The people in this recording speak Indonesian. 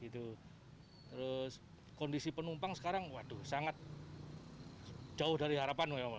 terus kondisi penumpang sekarang waduh sangat jauh dari harapan